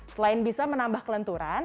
selain bisa menambah kelenturan